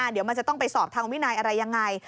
เดี๋ยวมันจะต้องไปสอบทางวินัยอะไรยังไง